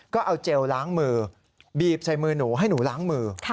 ก็เอาเจลล้างมือบีบใส่มือหนูให้หนูล้างมือ